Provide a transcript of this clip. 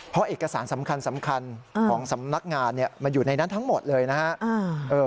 เพราะเอกสารสำคัญของสำนักงานมันอยู่ในนั้นทั้งหมดเลยนะครับ